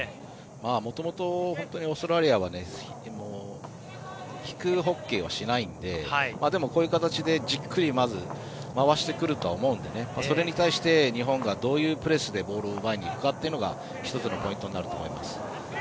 元々、オーストラリアは引くホッケーをしないのででもこういう形で、じっくりまず回してくるとは思うのでそれに対して日本がどういうプレスでボールを奪いに行くかが１つのポイントになると思います。